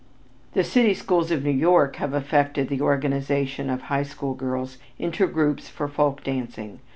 The city schools of New York have effected the organization of high school girls into groups for folk dancing.